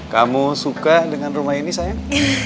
kamu suka dengan rumah ini sayang